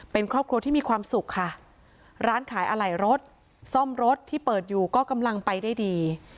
เป็นครอบครัวที่มีความสุขค่ะร้านขายอะไหล่รถซ่อมรถที่เปิดอยู่ก็กำลังไปได้ดี